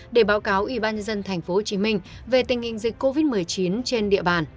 để báo cáo ubnd tp hcm về tình hình dịch covid một mươi chín